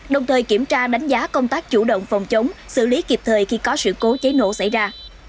đồng thời kiểm tra đánh giá công tác chủ động phòng chống xử lý kịp thời khi có sự cố cháy nổ xảy ra